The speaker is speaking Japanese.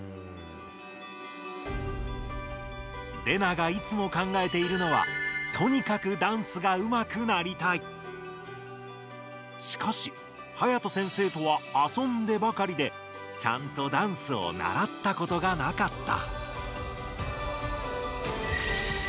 レナがいつも考えているのはとにかくしかしはやと先生とは遊んでばかりでちゃんとダンスをならったことがなかった。